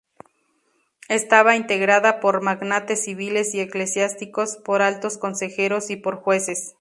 Estaba integrada por magnates civiles y eclesiásticos, por altos consejeros y por jueces.